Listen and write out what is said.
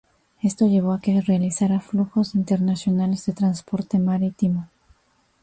Esto llevó a que se realizaran flujos internacionales de transporte marítimo.